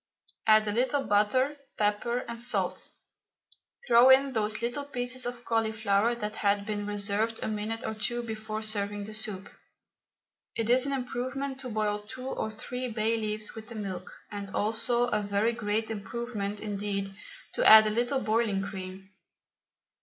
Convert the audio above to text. Add a little butter, pepper, and salt; throw in those little pieces of cauliflower that had been reserved a minute or two before serving the soup. It is an improvement to boil two or three bay leaves with the milk, and also a very great improvement indeed to add a little boiling cream.